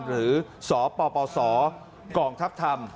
หรือสปสกองทัพธรรม